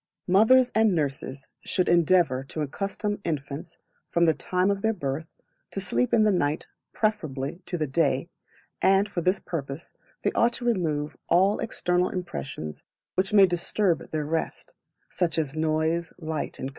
Mothers and Nurses should endeavour to accustom infants, from the time of their birth, to sleep in the night preferably to the day, and for this purpose they ought to remove all external impressions which may disturb their rest, such as noise, light, &c.